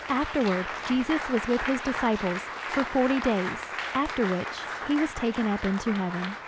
Afterward Jesus was with his disciples for forty days, after which he was taken up into heaven.